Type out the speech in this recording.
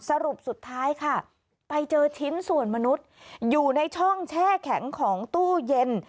สรุปสุดท้ายค่ะไปเจอชิ้นส่วนมนุษย์อยู่ในช่องแช่แข็งของตู้เย็น